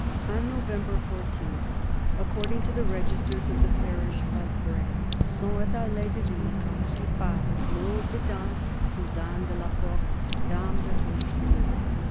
On November 14, according to the registers of the parish of Braye, " s'en est allee de vie a trepas noble dame Suzanne de la Porte, dame de Richelieu."